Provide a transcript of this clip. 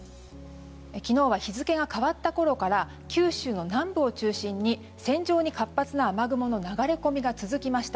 昨日は日付が変わったころから九州の南部を中心に線状に活発な雨雲の流れ込みが続きました。